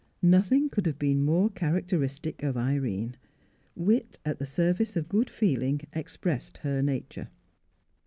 Nothing could have been more characteristic of Irene. Wit at the service of good feeling expressed her nature.